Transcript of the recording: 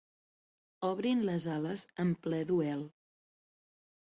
Obrin les ales en ple duel.